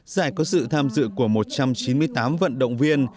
giải có sự tham dự của một trăm chín mươi tám vận động viên